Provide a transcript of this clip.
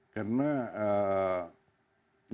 karena indonesia jauh